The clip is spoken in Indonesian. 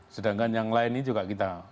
sedangkan yang lain ini juga kita